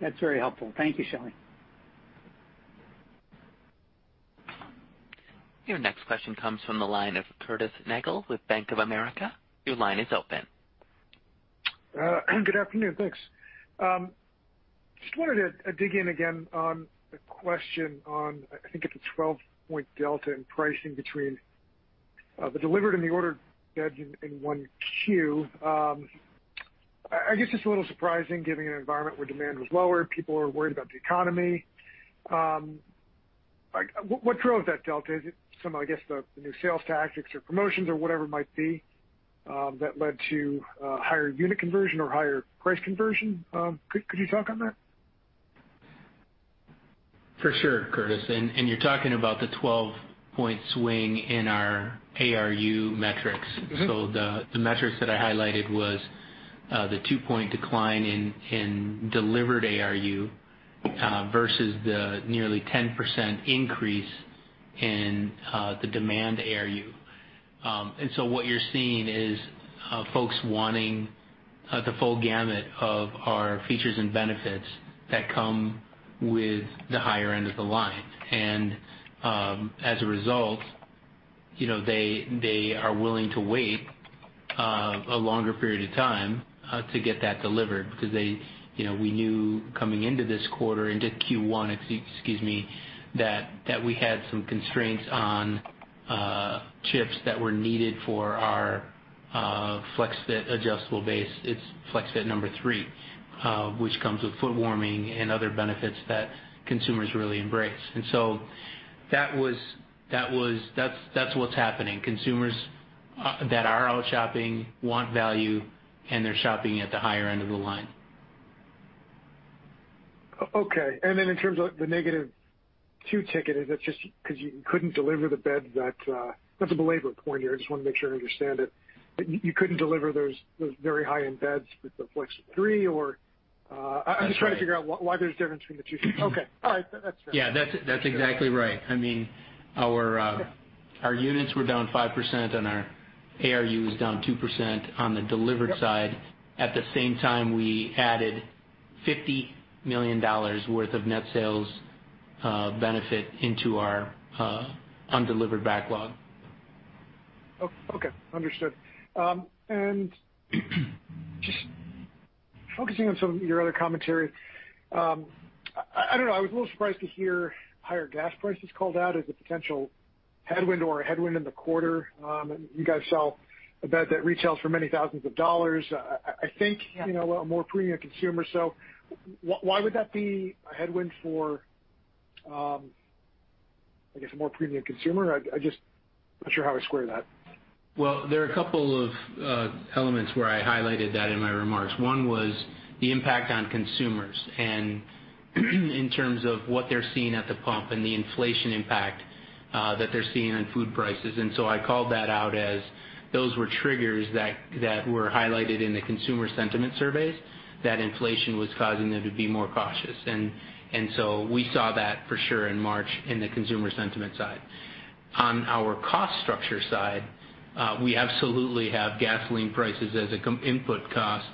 I: That's very helpful. Thank you, Shelly.
A: Your next question comes from the line of Curtis Nagle with Bank of America. Your line is open.
J: Good afternoon. Thanks. Just wanted to dig in again on a question on, I think it's a 12-point delta in pricing between the delivered and the ordered beds in Q1. I guess it's a little surprising given an environment where demand was lower, people are worried about the economy. Like what drove that delta? Is it some, I guess, the new sales tactics or promotions or whatever it might be that led to higher unit conversion or higher price conversion? Could you talk on that?
D: For sure, Curtis. You're talking about the 12-point swing in our ARU metrics.
J: Mm-hmm.
D: The metrics that I highlighted was the 2-point decline in delivered ARU versus the nearly 10% increase in the demand ARU. What you're seeing is folks wanting the full gamut of our features and benefits that come with the higher end of the line. As a result, you know, they are willing to wait a longer period of time to get that delivered because they, you know, we knew coming into this quarter, into Q1, that we had some constraints on chips that were needed for our FlexFit adjustable base. It's FlexFit 3, which comes with foot warming and other benefits that consumers really embrace. That's what's happening. Consumers that are out shopping want value, and they're shopping at the higher end of the line.
J: Okay. In terms of the -2 ticket, is that just 'cause you couldn't deliver the beds that. That's belaboring the point here, I just wanna make sure I understand it. You couldn't deliver those very high-end beds with the FlexFit 3 or.
D: That's right.
J: I'm just trying to figure out why there's a difference between the two. Okay. All right. That's fair.
D: Yeah. That's exactly right. I mean, our units were down 5% and our ARU is down 2% on the delivered side. At the same time, we added $50 million worth of net sales benefit into our undelivered backlog.
F: Okay. Understood. Just focusing on some of your other commentary, I don't know, I was a little surprised to hear higher gas prices called out as a potential headwind or a headwind in the quarter. You guys sell a bed that retails for many thousands of dollars. I think.
D: Yeah.
J: You know, a more premium consumer. Why would that be a headwind for, I guess, a more premium consumer? I'm just not sure how I square that.
D: Well, there are a couple of elements where I highlighted that in my remarks. One was the impact on consumers and in terms of what they're seeing at the pump and the inflation impact that they're seeing on food prices. I called that out as those were triggers that were highlighted in the consumer sentiment surveys, that inflation was causing them to be more cautious. We saw that for sure in March in the consumer sentiment side. On our cost structure side, we absolutely have gasoline prices as an input cost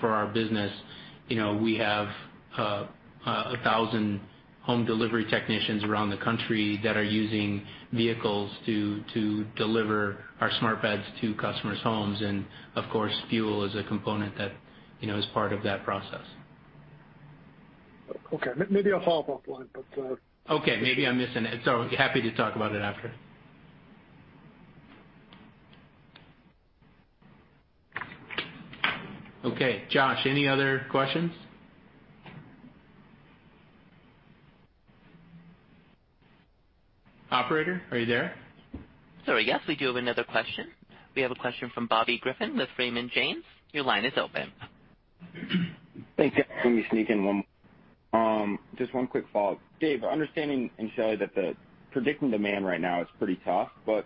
D: for our business. You know, we have 1,000 home delivery technicians around the country that are using vehicles to deliver our smart beds to customers' homes. Of course, fuel is a component that you know is part of that process.
J: Okay. Maybe I'll follow up offline, but.
D: Okay. Maybe I'm missing it, so happy to talk about it after. Okay. Josh, any other questions? Operator, are you there?
A: Sorry. Yes, we do have another question. We have a question from Bobby Griffin with Raymond James. Your line is open.
F: Thanks. Let me sneak in one more. Just one quick follow-up. Dave and Shelley, understanding that predicting demand right now is pretty tough, but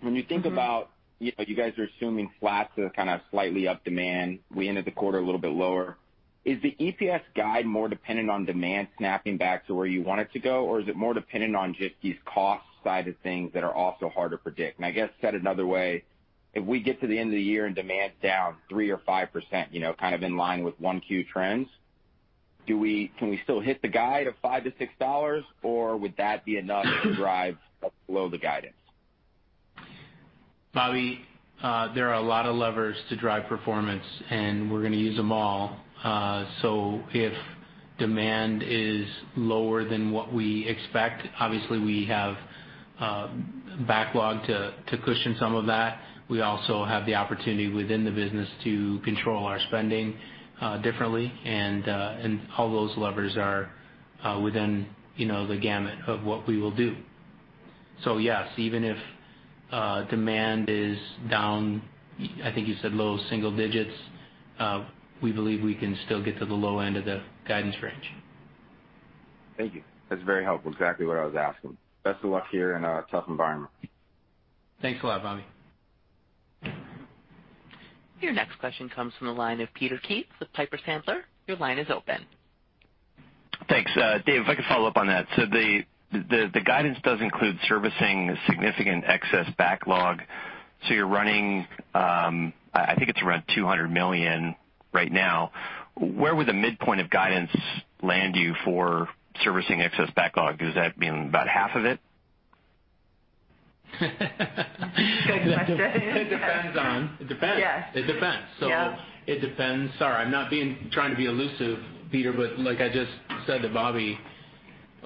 F: when you think about-
D: Mm-hmm.
F: You know, you guys are assuming flat to kind of slightly up demand. We ended the quarter a little bit lower. Is the EPS guide more dependent on demand snapping back to where you want it to go? Or is it more dependent on just these cost side of things that are also hard to predict? I guess said another way, if we get to the end of the year and demand's down 3% or 5%, you know, kind of in line with 1Q trends, can we still hit the guide of $5-$6, or would that be enough to drive below the guidance?
D: Bobby, there are a lot of levers to drive performance, and we're gonna use them all. If demand is lower than what we expect, obviously we have backlog to cushion some of that. We also have the opportunity within the business to control our spending differently. All those levers are within, you know, the gamut of what we will do. Yes, even if demand is down, I think you said low single digits, we believe we can still get to the low end of the guidance range.
F: Thank you. That's very helpful. Exactly what I was asking. Best of luck here in a tough environment.
D: Thanks a lot, Bobby.
A: Your next question comes from the line of Peter Keith with Piper Sandler. Your line is open.
E: Thanks. Dave, if I could follow up on that. The guidance does include servicing significant excess backlog. You're running, I think it's around $200 million right now. Where would the midpoint of guidance land you for servicing excess backlog? Does that mean about half of it?
D: Good question. It depends. Sorry, I'm not trying to be elusive, Peter, but like I just said to Bobby,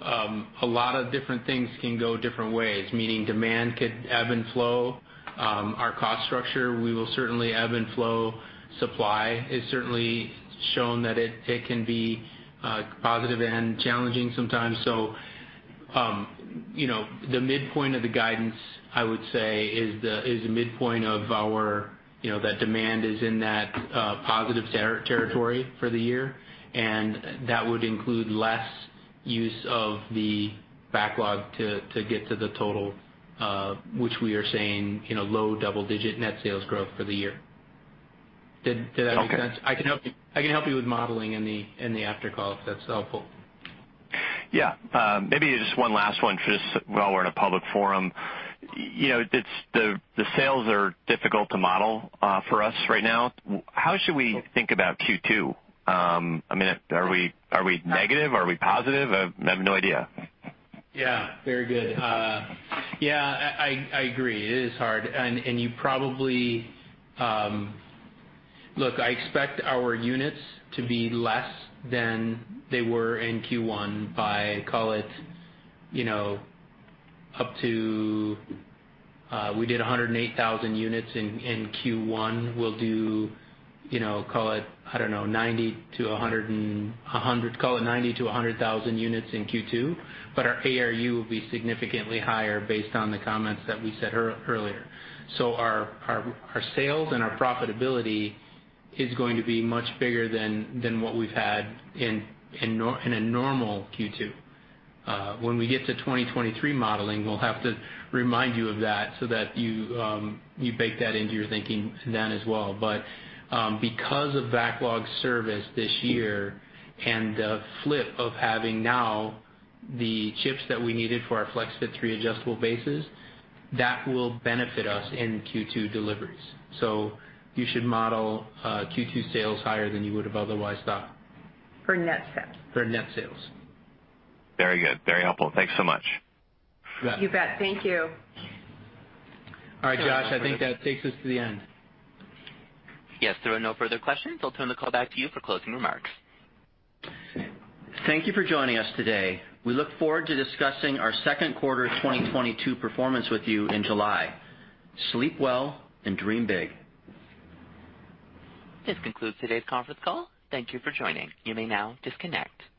D: a lot of different things can go different ways, meaning demand could ebb and flow. Our cost structure, we will certainly ebb and flow. Supply is certainly shown that it can be positive and challenging sometimes. You know, the midpoint of the guidance, I would say, is the midpoint of our, you know, that demand is in that positive territory for the year, and that would include less use of the backlog to get to the total, which we are saying, you know, low double-digit net sales growth for the year. Did that make sense?
E: Okay.
D: I can help you with modeling in the after call, if that's helpful.
E: Yeah. Maybe just one last one just while we're in a public forum. You know, it's the sales are difficult to model for us right now. How should we think about Q2? I mean, are we negative? Are we positive? I have no idea.
D: Yeah. Very good. Yeah, I agree. It is hard. You probably look, I expect our units to be less than they were in Q1 by, call it, you know, up to, we did 108,000 units in Q1. We'll do, you know, call it, I don't know, 90,000 to 100,000 units in Q2. Our ARU will be significantly higher based on the comments that we said earlier. Our sales and our profitability is going to be much bigger than what we've had in a normal Q2. When we get to 2023 modeling, we'll have to remind you of that so that you bake that into your thinking then as well. Because of backlog service this year and the flip of having now the chips that we needed for our FlexFit 3 adjustable bases, that will benefit us in Q2 deliveries. You should model Q2 sales higher than you would have otherwise thought. For net sales.
E: Very good. Very helpful. Thanks so much.
D: You bet. Thank you. All right. Josh, I think that takes us to the end.
A: Yes. There are no further questions. I'll turn the call back to you for closing remarks.
D: Thank you for joining us today. We look forward to discussing our second quarter 2022 performance with you in July. Sleep well and dream big.
A: This concludes today's conference call. Thank you for joining. You may now disconnect.